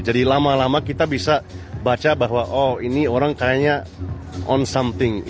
jadi lama lama kita bisa baca bahwa oh ini orang kayaknya on something